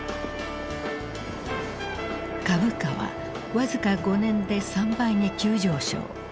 株価は僅か５年で３倍に急上昇。